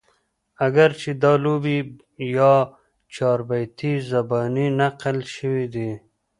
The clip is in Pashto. اګر چې دا لوبې يا چاربيتې زباني نقل شوي دي